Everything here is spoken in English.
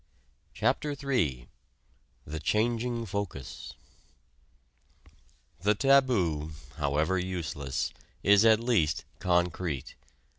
CHAPTER III THE CHANGING FOCUS The taboo, however useless, is at least concrete.